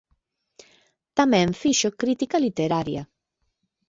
Tamén fixo crítica literaria.